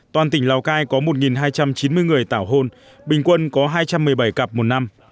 toàn tỉnh lào cai có một hai trăm chín mươi người tảo hôn bình quân có hai trăm một mươi bảy cặp một năm